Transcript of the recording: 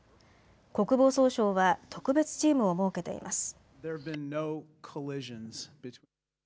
国防総省は特別チームを設けています。